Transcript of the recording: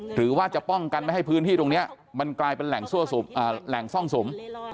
หรือว่าจะป้องกันไม่ให้พื้นที่ตรงนี้มันกลายเป็นแหล่งซ่องสุม